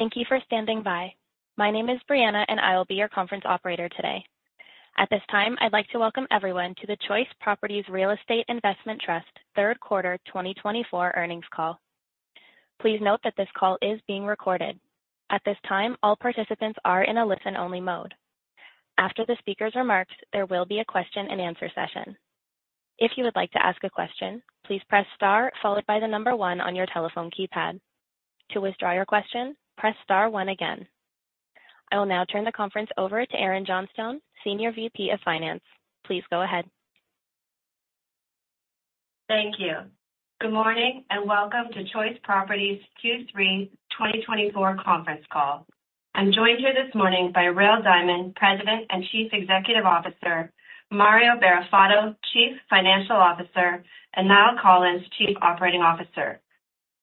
Thank you for standing by. My name is Brianna and I will be your conference operator today. At this time, I'd like to welcome everyone to the Choice Properties Real Estate Investment Trust third quarter 2024 earnings call. Please note that this call is being recorded. At this time, all participants are in a listen-only mode. After the speaker's remarks, there will be a question-and-answer session. If you would like to ask a question, please press star followed by the number one on your telephone keypad. To withdraw your question, press star one again. I will now turn the conference over to Erin Johnston, Senior VP of Finance. Please go ahead. Thank you. Good morning and welcome to Choice Properties Q3 2024 conference call. I'm joined here this morning by Rael Diamond, President and Chief Executive Officer, Mario Barrafato, Chief Financial Officer, and Niall Collins, Chief Operating Officer.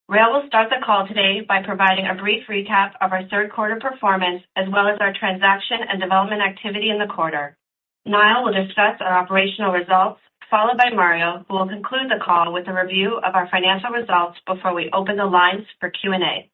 Rael will start the call today by providing a brief recap of our third quarter performance as well as our transaction and development activity in the quarter. Niall will discuss our operational results, followed by Mario, who will conclude the call with a review of our financial results before we open the lines for Q&A.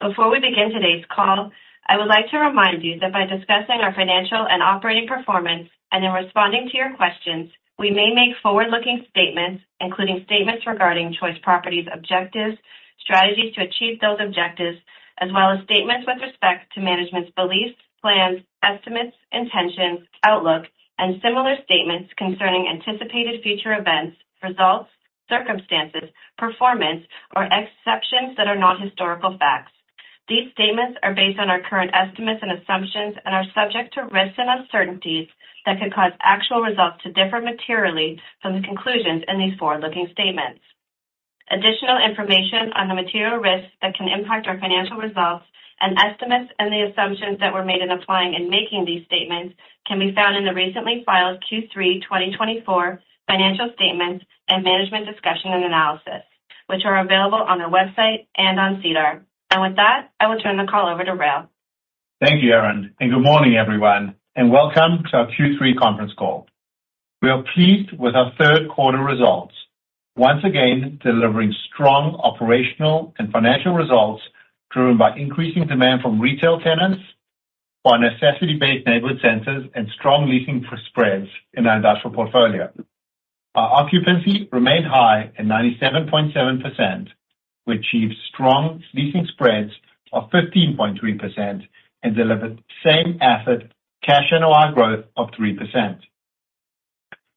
Before we begin today's call, I would like to remind you that by discussing our financial and operating performance and in responding to your questions, we may make forward-looking statements, including statements regarding Choice Properties' objectives, strategies to achieve those objectives, as well as statements with respect to management's beliefs, plans, estimates, intentions, outlook, and similar statements concerning anticipated future events, results, circumstances, performance, or exceptions that are not historical facts. These statements are based on our current estimates and assumptions and are subject to risks and uncertainties that could cause actual results to differ materially from the conclusions in these forward-looking statements. Additional information on the material risks that can impact our financial results and estimates and the assumptions that were made in applying and making these statements can be found in the recently filed Q3 2024 financial statements and management discussion and analysis, which are available on our website and on SEDAR, and with that, I will turn the call over to Rael. Thank you, Erin. And good morning, everyone, and welcome to our Q3 conference call. We are pleased with our third quarter results, once again delivering strong operational and financial results driven by increasing demand from retail tenants for necessity-based neighborhood centers and strong leasing spreads in our industrial portfolio. Our occupancy remained high at 97.7%. We achieved strong leasing spreads of 15.3% and delivered the same-asset cash NOI growth of 3%.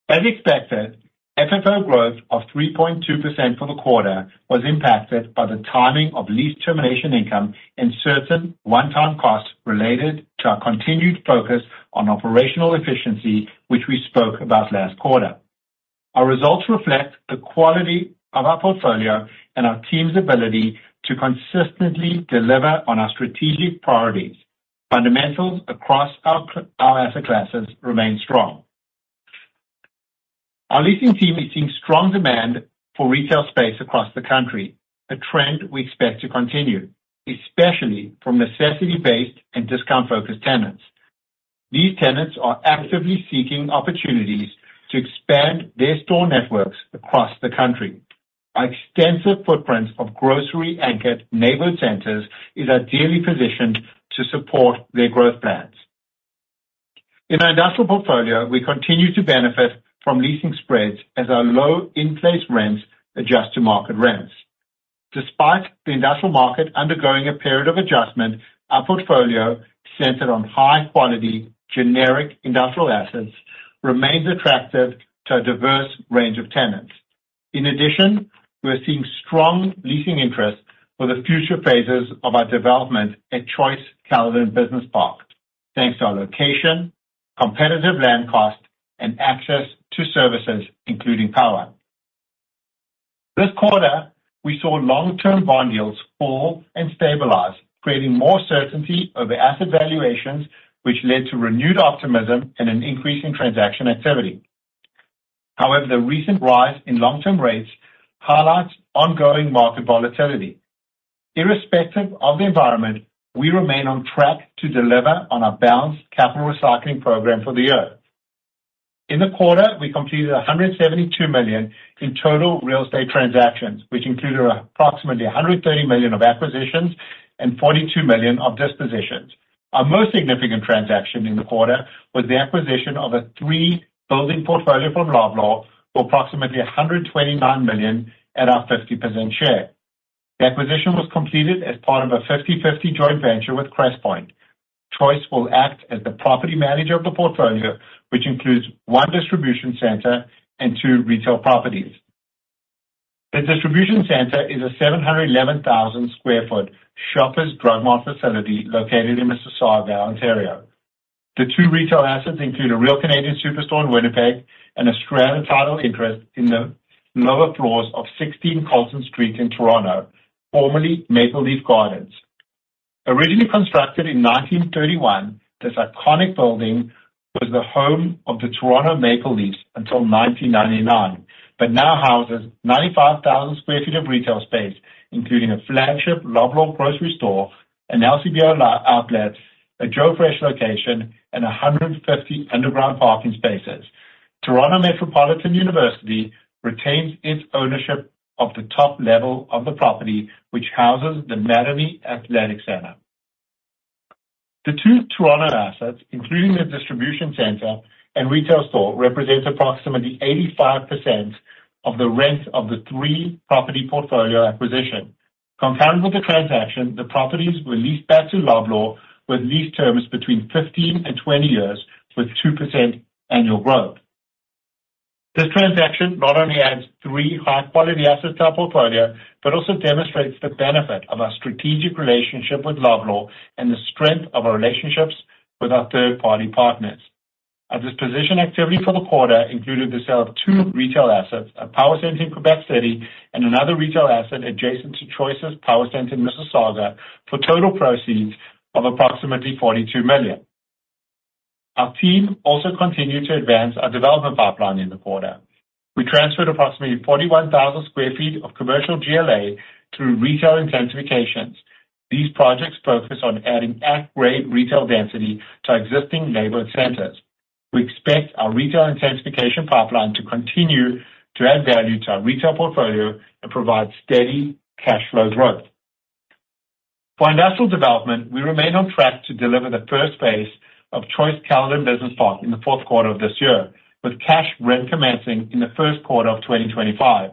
As expected, FFO growth of 3.2% for the quarter was impacted by the timing of lease termination income and certain one-time costs related to our continued focus on operational efficiency, which we spoke about last quarter. Our results reflect the quality of our portfolio and our team's ability to consistently deliver on our strategic priorities. Fundamentals across our asset classes remain strong. Our leasing team is seeing strong demand for retail space across the country, a trend we expect to continue, especially from necessity-based and discount-focused tenants. These tenants are actively seeking opportunities to expand their store networks across the country. Our extensive footprint of grocery-anchored neighborhood centers is ideally positioned to support their growth plans. In our industrial portfolio, we continue to benefit from leasing spreads as our low-in-place rents adjust to market rents. Despite the industrial market undergoing a period of adjustment, our portfolio, centered on high-quality generic industrial assets, remains attractive to a diverse range of tenants. In addition, we're seeing strong leasing interest for the future phases of our development at Choice Caledon Business Park, thanks to our location, competitive land cost, and access to services, including power. This quarter, we saw long-term bond yields fall and stabilize, creating more certainty over asset valuations, which led to renewed optimism and an increase in transaction activity. However, the recent rise in long-term rates highlights ongoing market volatility. Irrespective of the environment, we remain on track to deliver on our balanced capital recycling program for the year. In the quarter, we completed 172 million in total real estate transactions, which included approximately 130 million of acquisitions and 42 million of dispositions. Our most significant transaction in the quarter was the acquisition of a three-building portfolio from Loblaw for approximately 129 million at our 50% share. The acquisition was completed as part of a 50/50 joint venture with Crestpoint. Choice will act as the property manager of the portfolio, which includes one distribution center and two retail properties. The distribution center is a 711,000 sq ft Shoppers Drug Mart facility located in Mississauga, Ontario. The two retail assets include a Real Canadian Superstore in Winnipeg and a strata title interest in the lower floors of 60 Carlton Street in Toronto, formerly Maple Leaf Gardens. Originally constructed in 1931, this iconic building was the home of the Toronto Maple Leafs until 1999, but now houses 95,000 sq ft of retail space, including a flagship Loblaw grocery store, an LCBO outlet, a Joe Fresh location, and 150 underground parking spaces. Toronto Metropolitan University retains its ownership of the top level of the property, which houses the Mattamy Athletic Centre. The two Toronto assets, including the distribution center and retail store, represent approximately 85% of the rents of the three-property portfolio acquisition. Compared with the transaction, the properties were leased back to Loblaw with lease terms between 15 and 20 years, with 2% annual growth. This transaction not only adds three high-quality assets to our portfolio, but also demonstrates the benefit of our strategic relationship with Loblaw and the strength of our relationships with our third-party partners. Our disposition activity for the quarter included the sale of two retail assets, a power center in Quebec City, and another retail asset adjacent to Choice's power center in Mississauga, for total proceeds of approximately 42 million. Our team also continued to advance our development pipeline in the quarter. We transferred approximately 41,000 sq ft of commercial GLA through retail intensifications. These projects focus on adding A-grade retail density to existing neighborhood centers. We expect our retail intensification pipeline to continue to add value to our retail portfolio and provide steady cash flow growth. For industrial development, we remain on track to deliver the first phase of Choice Caledon Business Park in the fourth quarter of this year, with cash rent commencing in the first quarter of 2025.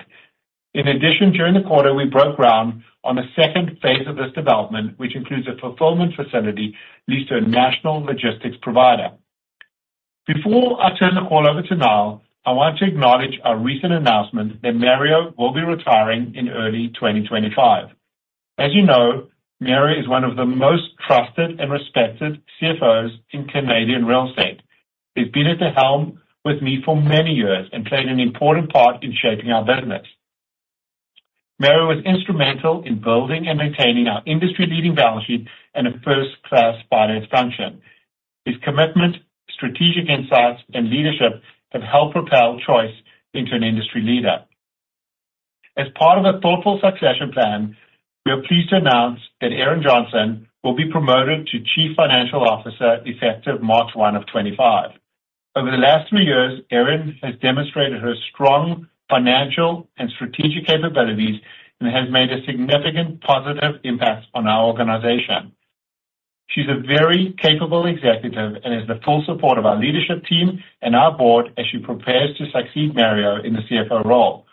In addition, during the quarter, we broke ground on the second phase of this development, which includes a fulfillment facility leased to a national logistics provider. Before I turn the call over to Niall, I want to acknowledge our recent announcement that Mario will be retiring in early 2025. As you know, Mario is one of the most trusted and respected CFOs in Canadian real estate. He's been at the helm with me for many years and played an important part in shaping our business. Mario was instrumental in building and maintaining our industry-leading balance sheet and a first-class finance function. His commitment, strategic insights, and leadership have helped propel Choice into an industry leader. As part of a thoughtful succession plan, we are pleased to announce that Erin Johnstone will be promoted to Chief Financial Officer effective March 1, 2025. Over the last three years, Erin has demonstrated her strong financial and strategic capabilities and has made a significant positive impact on our organization. She's a very capable executive and has the full support of our leadership team and our board as she prepares to succeed Mario in the CFO role.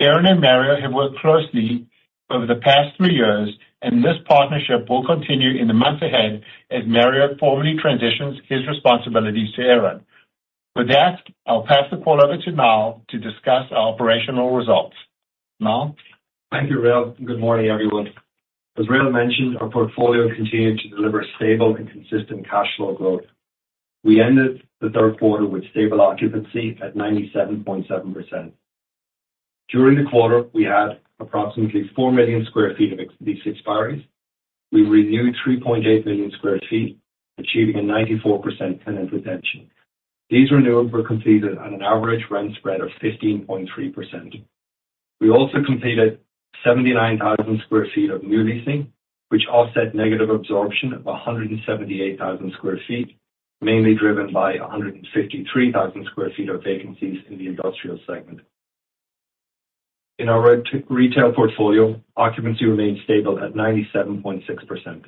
Erin and Mario have worked closely over the past three years, and this partnership will continue in the months ahead as Mario formally transitions his responsibilities to Erin. With that, I'll pass the call over to Niall to discuss our operational results. Niall. Thank you, Rael. Good morning, everyone. As Rael mentioned, our portfolio continued to deliver stable and consistent cash flow growth. We ended the third quarter with stable occupancy at 97.7%. During the quarter, we had approximately 4 million sq ft of lease expiries. We renewed 3.8 million sq ft, achieving a 94% tenant retention. These renewals were completed on an average rent spread of 15.3%. We also completed 79,000 sq ft of new leasing, which offset negative absorption of 178,000 sq ft, mainly driven by 153,000 sq ft of vacancies in the industrial segment. In our retail portfolio, occupancy remained stable at 97.6%.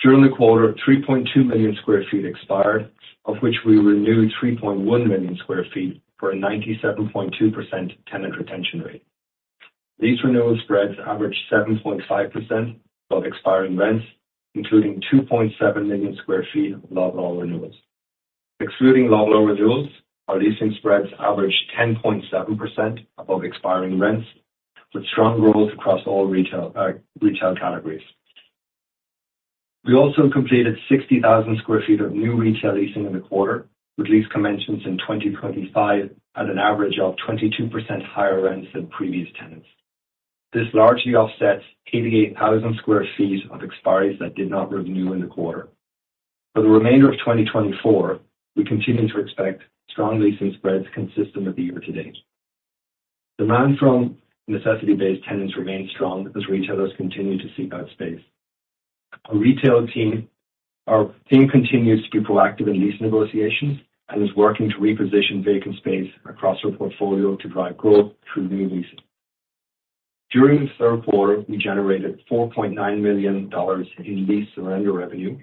During the quarter, 3.2 million sq ft expired, of which we renewed 3.1 million sq ft for a 97.2% tenant retention rate. Lease renewal spreads averaged 7.5% above expiring rents, including 2.7 million sq ft of Loblaw renewals. Excluding Loblaw renewals, our leasing spreads averaged 10.7% above expiring rents, with strong growth across all retail categories. We also completed 60,000 sq ft of new retail leasing in the quarter, with lease commencements in 2025 at an average of 22% higher rents than previous tenants. This largely offsets 88,000 sq ft of expiries that did not renew in the quarter. For the remainder of 2024, we continue to expect strong leasing spreads consistent with the year-to-date. Demand from necessity-based tenants remains strong as retailers continue to seek out space. Our team continues to be proactive in lease negotiations and is working to reposition vacant space across our portfolio to drive growth through new leasing. During the third quarter, we generated 4.9 million dollars in lease surrender revenue.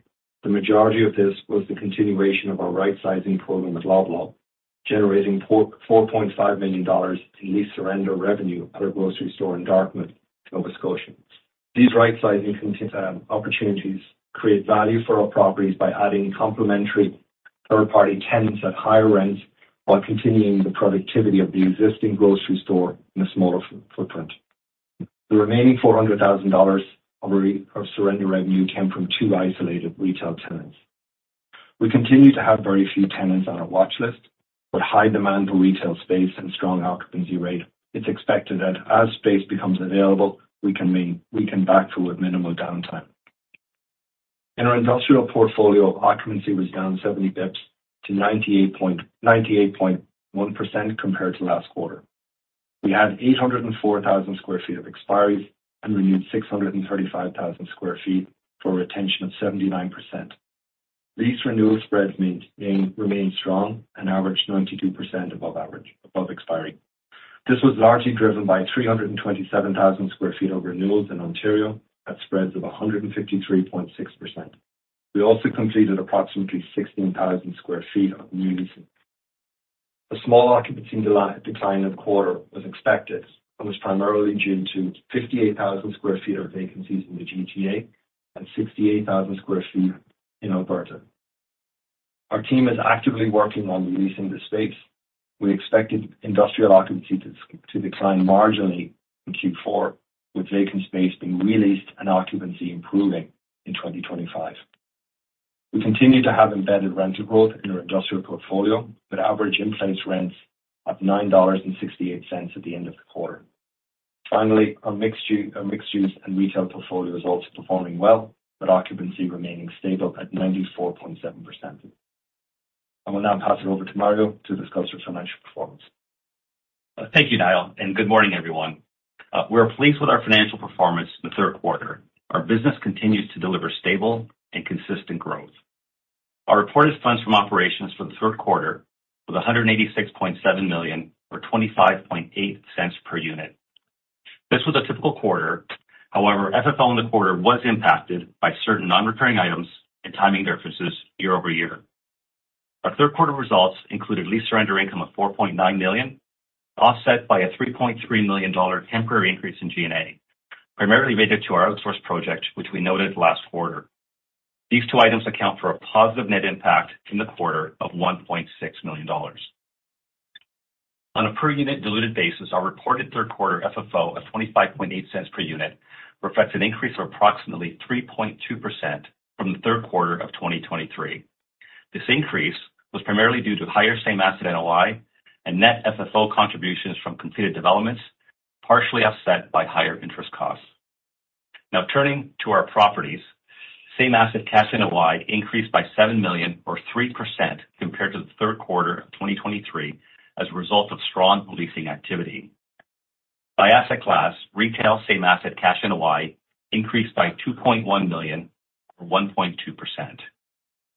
The majority of this was the continuation of our rightsizing program at Loblaw, generating 4.5 million dollars in lease surrender revenue at a grocery store in Dartmouth, Nova Scotia. These rightsizing opportunities create value for our properties by adding complementary third-party tenants at higher rents while continuing the productivity of the existing grocery store in a smaller footprint. The remaining 400,000 dollars of our surrender revenue came from two isolated retail tenants. We continue to have very few tenants on our watch list, but high demand for retail space and strong occupancy rate. It's expected that as space becomes available, we can backfill with minimal downtime. In our industrial portfolio, occupancy was down 70 basis points to 98.1% compared to last quarter. We had 804,000 sq ft of expiries and renewed 635,000 sq ft for a retention of 79%. Lease renewal spreads remained strong and averaged 92% above expiry. This was largely driven by 327,000 sq ft of renewals in Ontario at spreads of 153.6%. We also completed approximately 16,000 sq ft of new leasing. A small occupancy decline in the quarter was expected and was primarily due to 58,000 sq ft of vacancies in the GTA and 68,000 sq ft in Alberta. Our team is actively working on releasing the space. We expected industrial occupancy to decline marginally in Q4, with vacant space being re-leased and occupancy improving in 2025. We continue to have embedded rental growth in our industrial portfolio, but average in-place rents at 9.68 at the end of the quarter. Finally, our mixed-use and retail portfolio is also performing well, but occupancy remaining stable at 94.7%. I will now pass it over to Mario to discuss our financial performance. Thank you, Niall, and good morning, everyone. We're pleased with our financial performance in the third quarter. Our business continues to deliver stable and consistent growth. Our reported funds from operations for the third quarter were 186.7 million, or 0.258 per unit. This was a typical quarter. However, FFO in the quarter was impacted by certain non-recurring items and timing differences year over year. Our third-quarter results included lease surrender income of 4.9 million, offset by a 3.3 million dollar temporary increase in G&A, primarily related to our outsource project, which we noted last quarter. These two items account for a positive net impact in the quarter of 1.6 million dollars. On a per-unit diluted basis, our reported third-quarter FFO of 0.258 per unit reflects an increase of approximately 3.2% from the third quarter of 2023. This increase was primarily due to higher same-asset NOI and net FFO contributions from completed developments, partially offset by higher interest costs. Now, turning to our properties, same-asset cash NOI increased by 7 million, or 3%, compared to the third quarter of 2023 as a result of strong leasing activity. By asset class, retail same-asset cash NOI increased by 2.1 million, or 1.2%.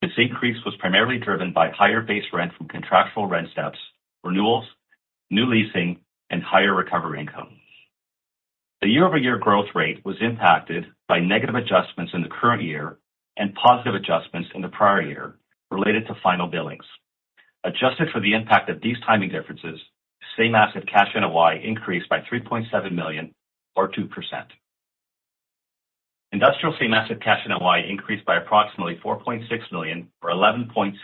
This increase was primarily driven by higher base rent from contractual rent steps, renewals, new leasing, and higher recovery income. The year-over-year growth rate was impacted by negative adjustments in the current year and positive adjustments in the prior year related to final billings. Adjusted for the impact of these timing differences, same-asset cash NOI increased by 3.7 million, or 2%. Industrial same-asset cash NOI increased by approximately 4.6 million, or 11.7%.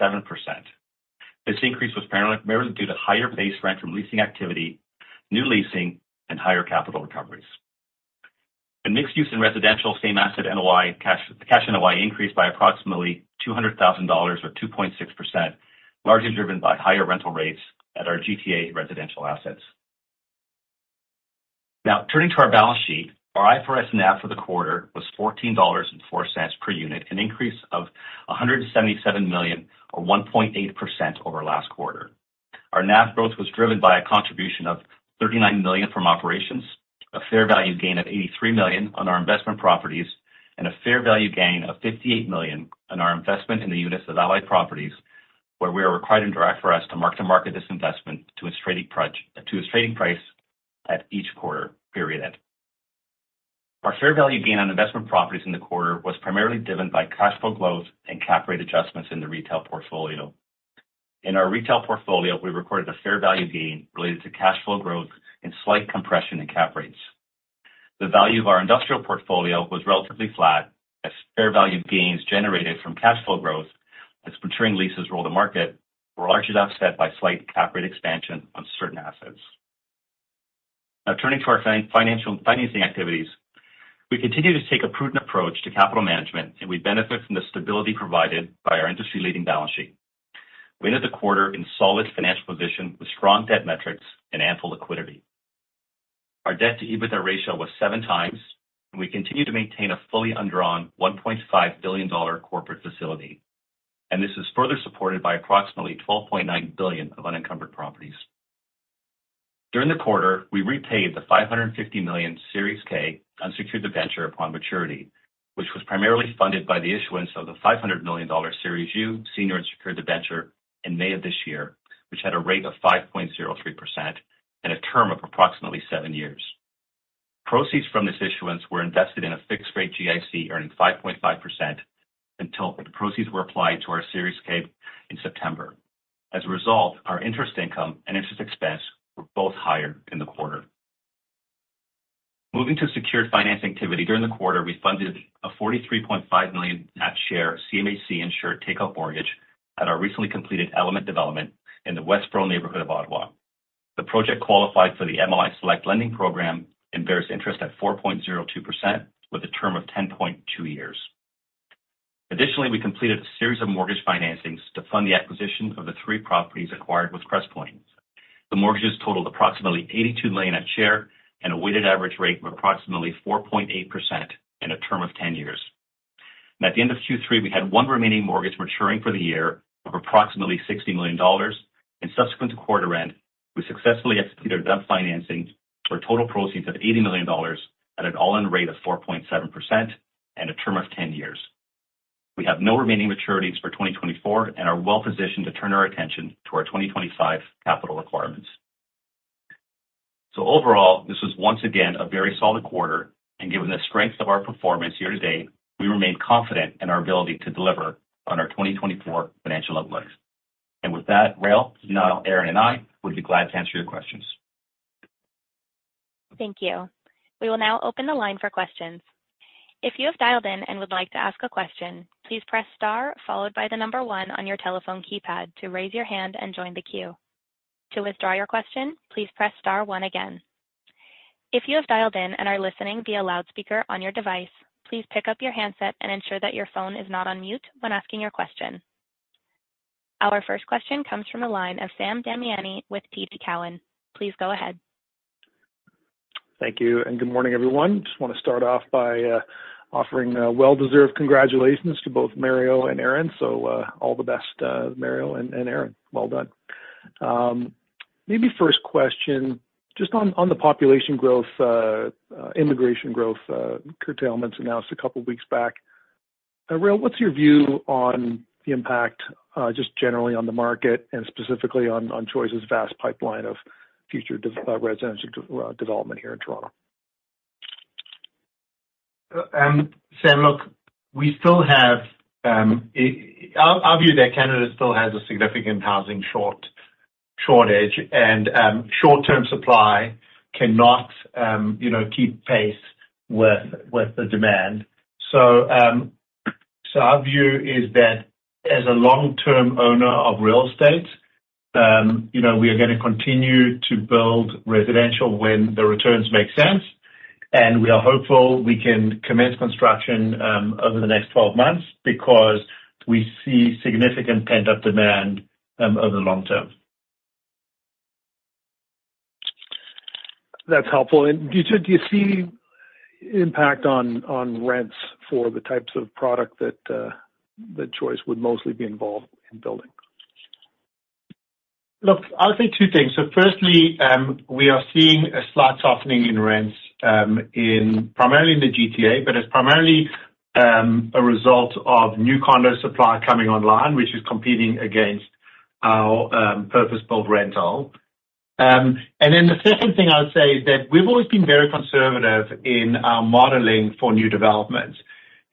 This increase was primarily due to higher base rent from leasing activity, new leasing, and higher capital recoveries. In mixed-use and residential same-asset NOI, cash NOI increased by approximately 200,000 dollars, or 2.6%, largely driven by higher rental rates at our GTA residential assets. Now, turning to our balance sheet, our IFRS NAV for the quarter was 14.04 dollars per unit, an increase of 177 million, or 1.8%, over last quarter. Our NAV growth was driven by a contribution of 39 million from operations, a fair value gain of 83 million on our investment properties, and a fair value gain of 58 million on our investment in the units of Allied Properties, where we are required under IFRS to mark to market this investment to its trading price at each quarter period. Our fair value gain on investment properties in the quarter was primarily driven by cash flow growth and cap rate adjustments in the retail portfolio. In our retail portfolio, we recorded a fair value gain related to cash flow growth and slight compression in cap rates. The value of our industrial portfolio was relatively flat, as fair value gains generated from cash flow growth, as maturing leases roll to market, were largely offset by slight cap rate expansion on certain assets. Now, turning to our financing activities, we continue to take a prudent approach to capital management, and we benefit from the stability provided by our industry-leading balance sheet. We ended the quarter in solid financial position with strong debt metrics and ample liquidity. Our debt-to-EBITDA ratio was seven times, and we continue to maintain a fully undrawn 1.5 billion dollar corporate facility. This is further supported by approximately 12.9 billion of unencumbered properties. During the quarter, we repaid the 550 million Series K unsecured debenture upon maturity, which was primarily funded by the issuance of the 500 million dollar Series U senior unsecured debenture in May of this year, which had a rate of 5.03% and a term of approximately 7 years. Proceeds from this issuance were invested in a fixed-rate GIC earning 5.5% until the proceeds were applied to our Series K in September. As a result, our interest income and interest expense were both higher in the quarter. Moving to secured finance activity during the quarter, we funded a 43.5 million at par CMHC insured take-out mortgage at our recently completed Element development in the Westboro neighborhood of Ottawa. The project qualified for the MLI Select Lending Program and bears interest at 4.02%, with a term of 10.2 years. Additionally, we completed a series of mortgage financings to fund the acquisition of the three properties acquired with Crestpoint. The mortgages totaled approximately 82 million at par and a weighted average rate of approximately 4.8% and a term of 10 years. At the end of Q3, we had one remaining mortgage maturing for the year of approximately 60 million dollars. In the subsequent quarter end, we successfully executed that financing for total proceeds of 80 million dollars at an all-in rate of 4.7% and a term of 10 years. We have no remaining maturities for 2024 and are well-positioned to turn our attention to our 2025 capital requirements. So overall, this was once again a very solid quarter, and given the strength of our performance year-to-date, we remain confident in our ability to deliver on our 2024 financial outlook. With that, Rael, Niall, Erin, and I would be glad to answer your questions. Thank you. We will now open the line for questions. If you have dialed in and would like to ask a question, please press star followed by the number one on your telephone keypad to raise your hand and join the queue. To withdraw your question, please press star one again. If you have dialed in and are listening via loudspeaker on your device, please pick up your handset and ensure that your phone is not on mute when asking your question. Our first question comes from the line of Sam Damiani with TD Cowen. Please go ahead. Thank you. Good morning, everyone. Just want to start off by offering well-deserved congratulations to both Mario and Erin. All the best, Mario and Erin. Well done. Maybe first question, just on the population growth, immigration growth, Curt Elmondson announced a couple of weeks back. Rael, what's your view on the impact just generally on the market and specifically on Choice's vast pipeline of future residential development here in Toronto? Sam, look, we still have. I still view that Canada still has a significant housing shortage, and short-term supply cannot keep pace with the demand. So our view is that as a long-term owner of real estate, we are going to continue to build residential when the returns make sense, and we are hopeful we can commence construction over the next 12 months because we see significant pent-up demand over the long term. That's helpful, and do you see impact on rents for the types of product that Choice would mostly be involved in building? Look, I'll say two things. So firstly, we are seeing a slight softening in rents, primarily in the GTA, but it's primarily a result of new condo supply coming online, which is competing against our purpose-built rental. And then the second thing I would say is that we've always been very conservative in our modeling for new developments.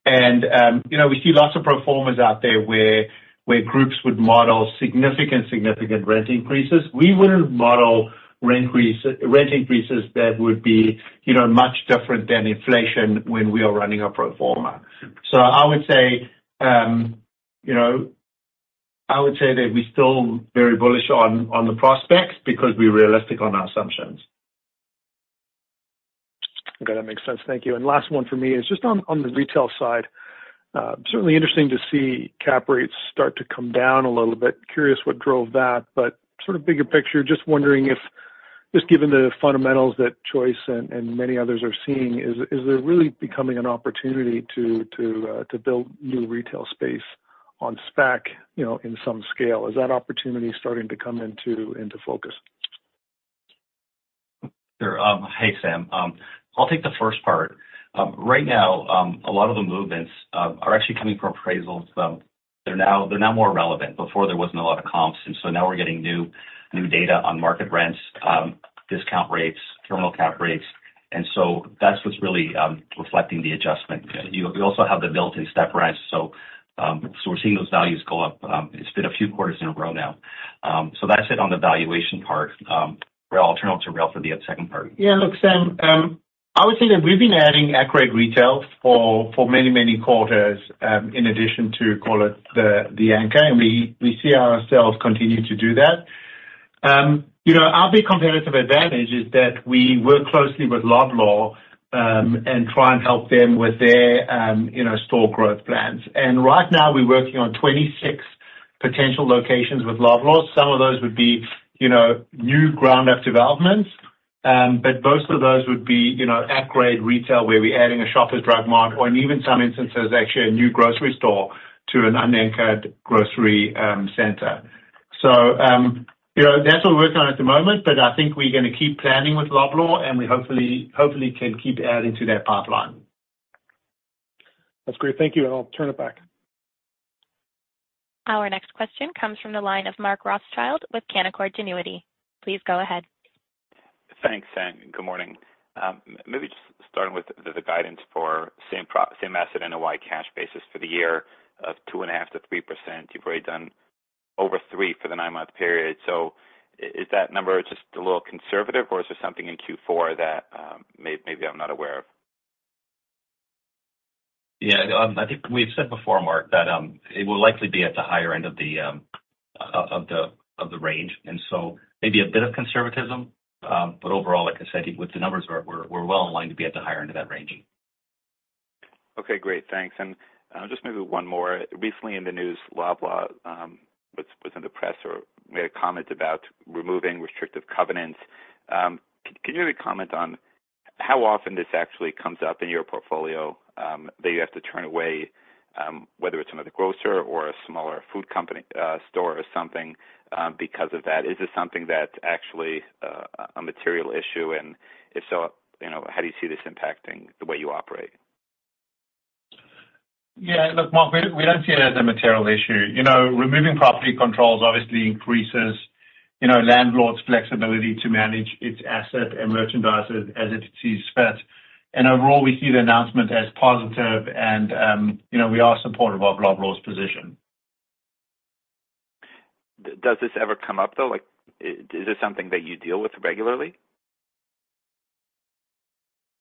And we see lots of proformas out there where groups would model significant, significant rent increases. We wouldn't model rent increases that would be much different than inflation when we are running a proforma. So I would say that we're still very bullish on the prospects because we're realistic on our assumptions. Okay. That makes sense. Thank you. And last one for me is just on the retail side. Certainly interesting to see cap rates start to come down a little bit. Curious what drove that, but sort of bigger picture, just wondering if, just given the fundamentals that Choice and many others are seeing, is there really becoming an opportunity to build new retail space on spec in some scale? Is that opportunity starting to come into focus? Sure. Hey, Sam. I'll take the first part. Right now, a lot of the movements are actually coming from appraisals. They're now more relevant. Before, there wasn't a lot of comps, and so now we're getting new data on market rents, discount rates, terminal cap rates, and so that's what's really reflecting the adjustment. You also have the built-in step rents, so we're seeing those values go up. It's been a few quarters in a row now, so that's it on the valuation part. Rael, I'll turn it over to Rael for the second part. Yeah. Look, Sam, I would say that we've been adding anchored retail for many, many quarters in addition to, call it, the anchor, and we see ourselves continue to do that. Our big competitive advantage is that we work closely with Loblaw and try and help them with their store growth plans. And right now, we're working on 26 potential locations with Loblaw. Some of those would be new ground-up developments, but most of those would be upgrade retail where we're adding a Shoppers Drug Mart, or in even some instances, actually a new grocery store to an unanchored grocery center. So that's what we're working on at the moment, but I think we're going to keep planning with Loblaw, and we hopefully can keep adding to that pipeline. That's great. Thank you. And I'll turn it back. Our next question comes from the line of Mark Rothschild with Canaccord Genuity. Please go ahead. Thanks, Sam. Good morning. Maybe just starting with the guidance for same-asset NOI cash basis for the year of 2.5%-3%. You've already done over 3% for the nine-month period. So is that number just a little conservative, or is there something in Q4 that maybe I'm not aware of? Yeah. I think we've said before, Mark, that it will likely be at the higher end of the range. And so maybe a bit of conservatism, but overall, like I said, with the numbers, we're well aligned to be at the higher end of that range. Okay. Great. Thanks. And just maybe one more. Recently in the news, Loblaw was in the press or made a comment about removing restrictive covenants. Can you maybe comment on how often this actually comes up in your portfolio that you have to turn away, whether it's another grocer or a smaller food store or something because of that? Is this something that's actually a material issue? And if so, how do you see this impacting the way you operate? Yeah. Look, Mark, we don't see it as a material issue. Removing property controls obviously increases landlord's flexibility to manage its asset and merchandise as it sees fit. And overall, we see the announcement as positive, and we are supportive of Loblaw's position. Does this ever come up, though? Is this something that you deal with regularly?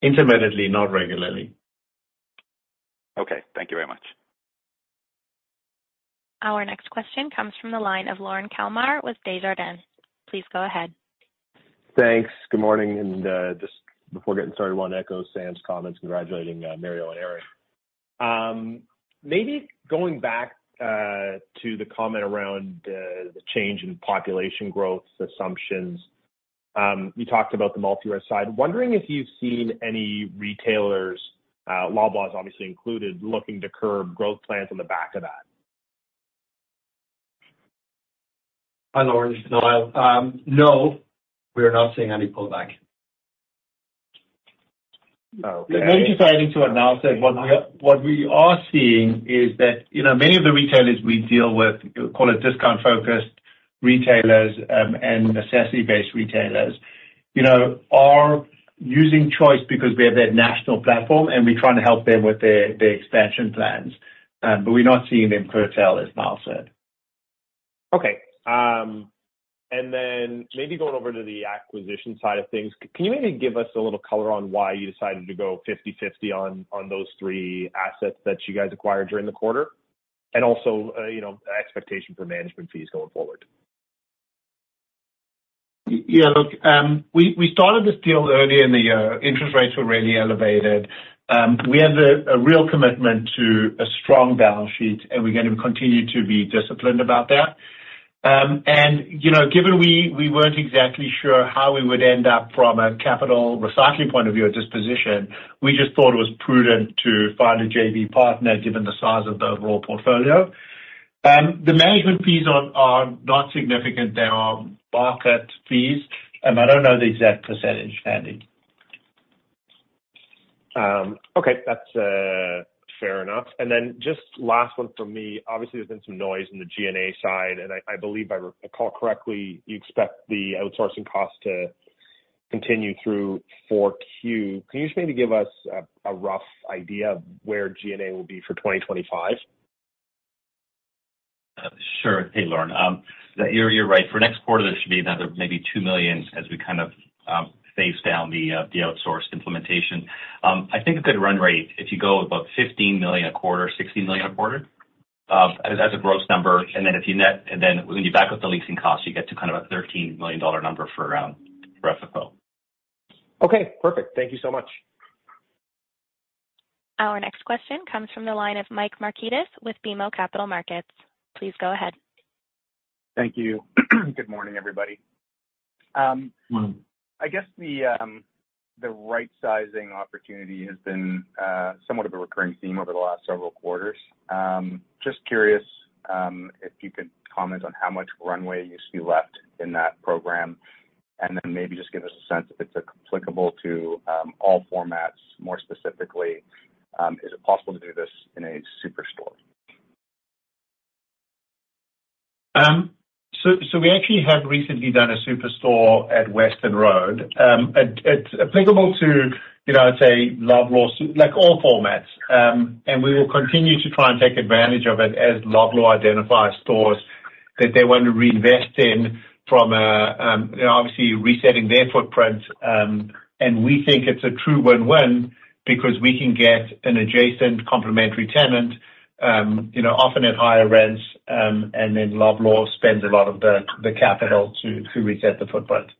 Intermittently, not regularly. Okay. Thank you very much. Our next question comes from the line of Lorne Kalmar with Desjardins. Please go ahead. Thanks. Good morning. And just before getting started, I want to echo Sam's comments congratulating Mario and Erin. Maybe going back to the comment around the change in population growth assumptions, you talked about the multi-year side. Wondering if you've seen any retailers, Loblaw is obviously included, looking to curb growth plans on the back of that? Hi, Lorne. No, we are not seeing any pullback. Okay. Maybe just adding to what Niall said, what we are seeing is that many of the retailers we deal with, call it, discount-focused retailers and necessity-based retailers are using Choice because we have that national platform, and we're trying to help them with their expansion plans. But we're not seeing them curtail, as Niall said. Okay. And then maybe going over to the acquisition side of things, can you maybe give us a little color on why you decided to go 50/50 on those three assets that you guys acquired during the quarter? And also expectation for management fees going forward? Yeah. Look, we started this deal earlier in the year. Interest rates were really elevated. We have a real commitment to a strong balance sheet, and we're going to continue to be disciplined about that. And given we weren't exactly sure how we would end up from a capital recycling point of view or disposition, we just thought it was prudent to find a JV partner given the size of the overall portfolio. The management fees are not significant. They are market fees. And I don't know the exact percentage, Andy. Okay. That's fair enough. And then just last one from me. Obviously, there's been some noise in the G&A side. And I believe, if I recall correctly, you expect the outsourcing costs to continue through Q4. Can you just maybe give us a rough idea of where G&A will be for 2025? Sure. Hey, Lorne. You're right. For the next quarter, there should be another maybe 2 million as we kind of phase down the outsourced implementation. I think a good run rate, if you go above 15 million a quarter, 16 million a quarter, as a gross number. And then if you net and then when you back up the leasing costs, you get to kind of a 13 million dollar number for FFO. Okay. Perfect. Thank you so much. Our next question comes from the line of Mike Markidis with BMO Capital Markets. Please go ahead. Thank you. Good morning, everybody. Good morning. I guess the right-sizing opportunity has been somewhat of a recurring theme over the last several quarters. Just curious if you could comment on how much runway used to be left in that program, and then maybe just give us a sense if it's applicable to all formats. More specifically, is it possible to do this in a superstore? So we actually have recently done a superstore at Weston Road. It's applicable to, I'd say, Loblaw, all formats. And we will continue to try and take advantage of it as Loblaw identifies stores that they want to reinvest in from obviously resetting their footprint. And we think it's a true win-win because we can get an adjacent complementary tenant, often at higher rents, and then Loblaw spends a lot of the capital to reset the footprint.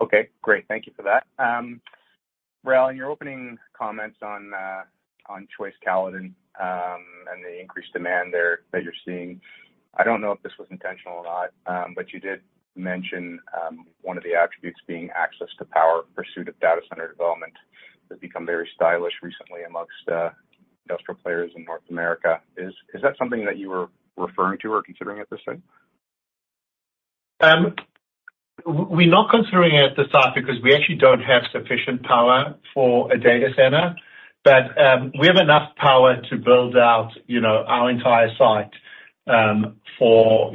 Okay. Great. Thank you for that. Rael, in your opening comments on Choice Properties and the increased demand there that you're seeing, I don't know if this was intentional or not, but you did mention one of the attributes being access to power, pursuit of data center development. It's become very stylish recently amongst industrial players in North America. Is that something that you were referring to or considering at this time? We're not considering it at the site because we actually don't have sufficient power for a data center, but we have enough power to build out our entire site for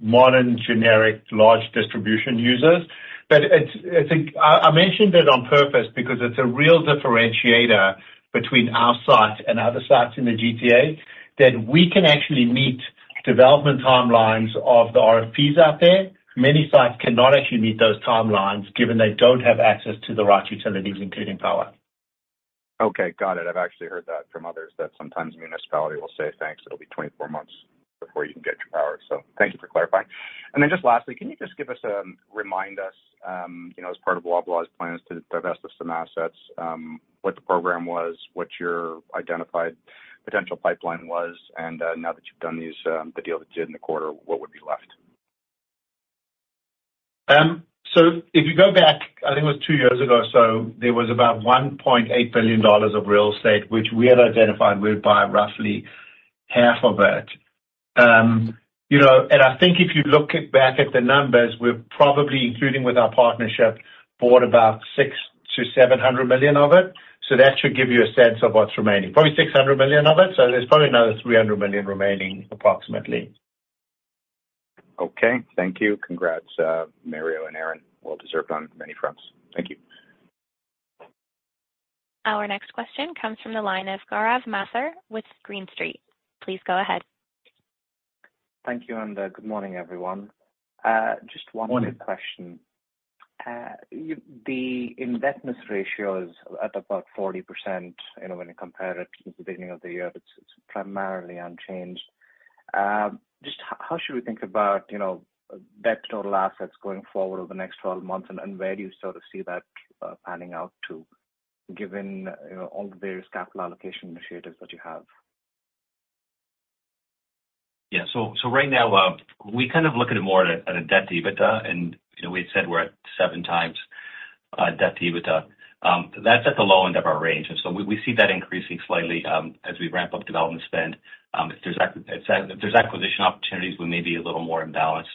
modern generic large distribution users. But I mentioned it on purpose because it's a real differentiator between our site and other sites in the GTA that we can actually meet development timelines of the RFPs out there. Many sites cannot actually meet those timelines given they don't have access to the right utilities, including power. Okay. Got it. I've actually heard that from others that sometimes municipality will say, "Thanks. It'll be 24 months before you can get your power." So thank you for clarifying. And then just lastly, can you just remind us as part of Loblaw's plans to divest of some assets, what the program was, what your identified potential pipeline was, and now that you've done the deal that you did in the quarter, what would be left? So if you go back, I think it was two years ago, so there was about 1.8 billion dollars of real estate, which we had identified we would buy roughly half of it. And I think if you look back at the numbers, we've probably, including with our partnership, bought about 600 million-700 million of it. So that should give you a sense of what's remaining. Probably 600 million of it. So there's probably another 300 million remaining approximately. Okay. Thank you. Congrats, Mario and Erin. Well-deserved on many fronts. Thank you. Our next question comes from the line of Gaurav Mathur with Green Street. Please go ahead. Thank you. Good morning, everyone. Just one quick question. The investment ratio is at about 40%. When you compare it since the beginning of the year, it's primarily unchanged. Just how should we think about that total assets going forward over the next 12 months, and where do you sort of see that panning out to given all the various capital allocation initiatives that you have? Yeah. So right now, we kind of look at it more at a debt-to-EBITDA, and we had said we're at seven times debt-to-EBITDA. That's at the low end of our range, and so we see that increasing slightly as we ramp up development spend. If there's acquisition opportunities, we may be a little more imbalanced.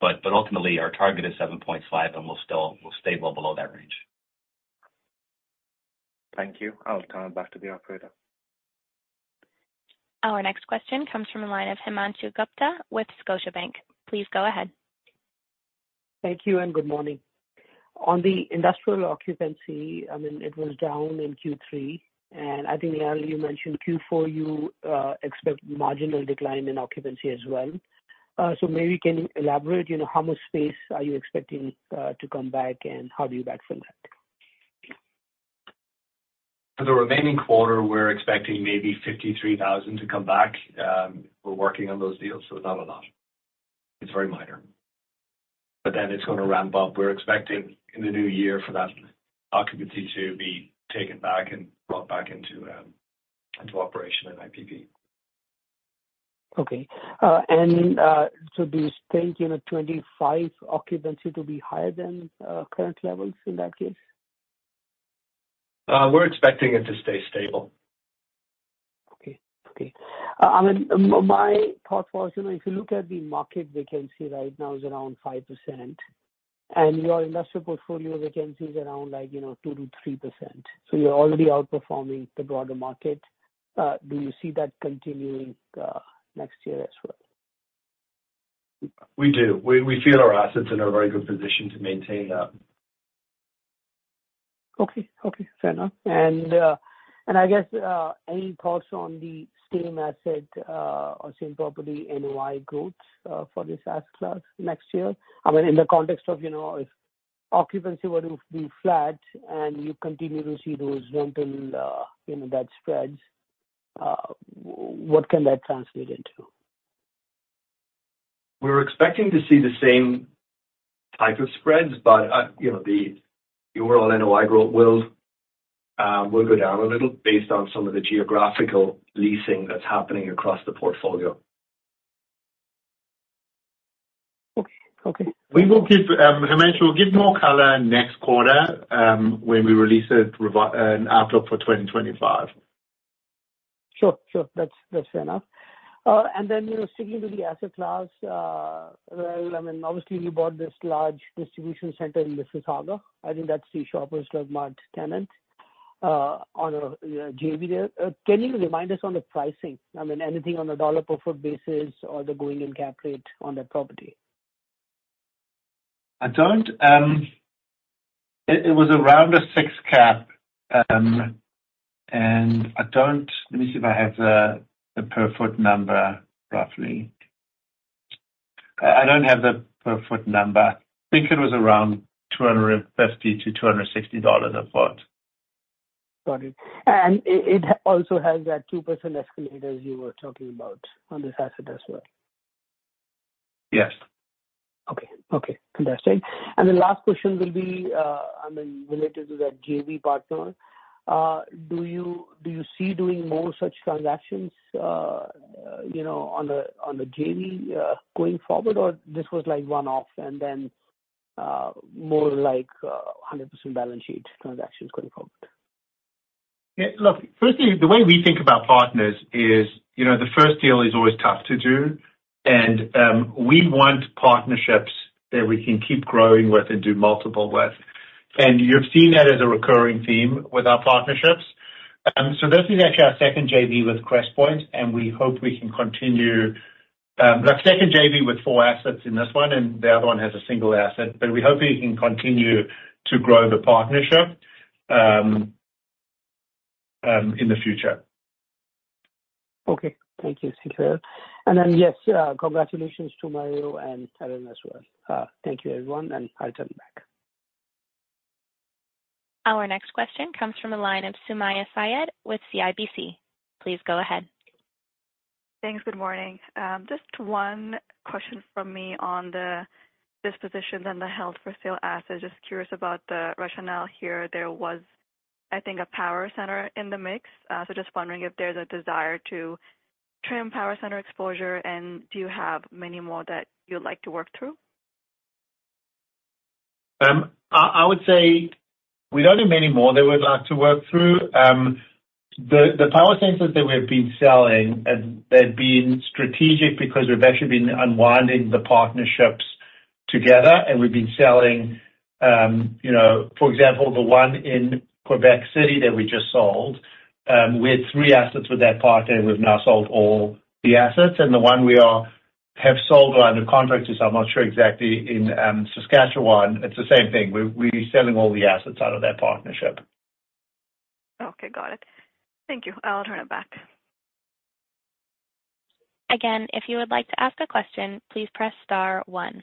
But ultimately, our target is 7.5, and we'll stay well below that range. Thank you. I'll turn it back to the operator. Our next question comes from the line of Himanshu Gupta with Scotiabank. Please go ahead. Thank you. And good morning. On the industrial occupancy, I mean, it was down in Q3. And I think, Niall, you mentioned Q4, you expect marginal decline in occupancy as well. So maybe can you elaborate? How much space are you expecting to come back, and how do you backfill that? For the remaining quarter, we're expecting maybe 53,000 to come back. We're working on those deals, so not a lot. It's very minor. But then it's going to ramp up. We're expecting in the new year for that occupancy to be taken back and brought back into operation in IPP. Okay. And so do you think 25% occupancy to be higher than current levels in that case? We're expecting it to stay stable. Okay. Okay. I mean, my thought was if you look at the market vacancy right now, it's around 5%, and your industrial portfolio vacancy is around 2%-3%. So you're already outperforming the broader market. Do you see that continuing next year as well? We do. We feel our assets in a very good position to maintain that. Okay. Okay. Fair enough, and I guess any thoughts on the same asset or same property NOI growth for this asset class next year? I mean, in the context of if occupancy were to be flat and you continue to see those rental debt spreads, what can that translate into? We're expecting to see the same type of spreads, but the overall NOI growth will go down a little based on some of the geographical leasing that's happening across the portfolio. Okay. Okay. Himanshu will give more color next quarter when we release an outlook for 2025. Sure. Sure. That's fair enough. And then sticking to the asset class, Rael, I mean, obviously, you bought this large distribution center in Mississauga. I think that's the Shoppers Drug Mart tenant on a JV there. Can you remind us on the pricing? I mean, anything on a dollar per foot basis or the going-in cap rate on that property? It was around a six cap. And let me see if I have the per-foot number roughly. I don't have the per-foot number. I think it was around 250-260 dollars a foot. Got it. And it also has that 2% escalator you were talking about on this asset as well? Yes. Okay. Okay. Fantastic. And the last question will be, I mean, related to that JV partner. Do you see doing more such transactions on the JV going forward, or this was one-off and then more like 100% balance sheet transactions going forward? Yeah. Look, firstly, the way we think about partners is the first deal is always tough to do. And we want partnerships that we can keep growing with and do multiple with. And you've seen that as a recurring theme with our partnerships. So this is actually our second JV with Crestpoint, and we hope we can continue our second JV with four assets in this one, and the other one has a single asset. But we hope we can continue to grow the partnership in the future. Okay. Thank you. Thank you, Rael. And then, yes, congratulations to Mario and Erin as well. Thank you, everyone. And I'll turn it back. Our next question comes from the line of Sumaya Syed with CIBC. Please go ahead. Thanks. Good morning. Just one question from me on the dispositions and the held for sale assets. Just curious about the rationale here. There was, I think, a power center in the mix. So just wondering if there's a desire to trim power center exposure, and do you have many more that you'd like to work through? I would say we don't have many more that we'd like to work through. The power centers that we have been selling, they've been strategic because we've actually been unwinding the partnerships together, and we've been selling, for example, the one in Quebec City that we just sold. We had three assets with that partner. We've now sold all the assets, and the one we have sold on a contract is, I'm not sure exactly, in Saskatchewan. It's the same thing. We're selling all the assets out of that partnership. Okay. Got it. Thank you. I'll turn it back. Again, if you would like to ask a question, please press star one.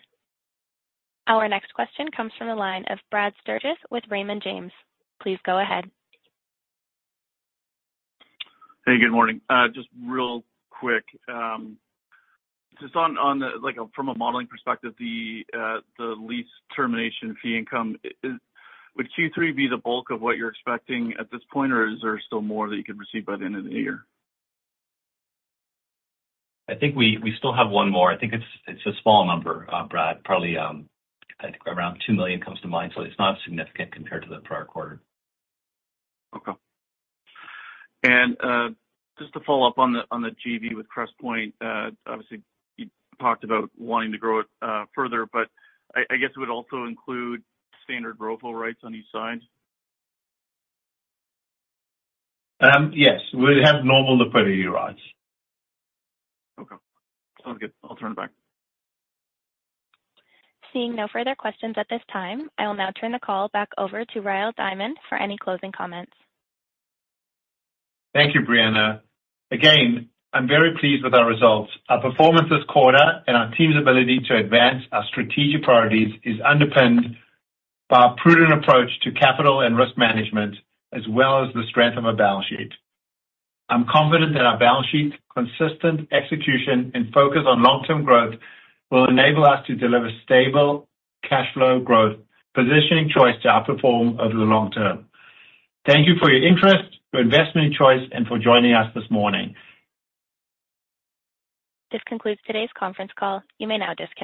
Our next question comes from the line of Brad Sturgis with Raymond James. Please go ahead. Hey, good morning. Just real quick. Just from a modeling perspective, the lease termination fee income, would Q3 be the bulk of what you're expecting at this point, or is there still more that you can receive by the end of the year? I think we still have one more. I think it's a small number, Brad. Probably around 2 million comes to mind. So it's not significant compared to the prior quarter. Okay. And just to follow up on the JV with Crestpoint, obviously, you talked about wanting to grow it further, but I guess it would also include standard ROFR overrides on each side? Yes. We would have normal liquidity rights. Okay. Sounds good. I'll turn it back. Seeing no further questions at this time, I will now turn the call back over to Rael Diamond for any closing comments. Thank you, Brianna. Again, I'm very pleased with our results. Our performance this quarter and our team's ability to advance our strategic priorities is underpinned by a prudent approach to capital and risk management as well as the strength of our balance sheet. I'm confident that our balance sheet, consistent execution, and focus on long-term growth will enable us to deliver stable cash flow growth, positioning Choice to outperform over the long term. Thank you for your interest, your investment Choice, and for joining us this morning. This concludes today's conference call. You may now disconnect.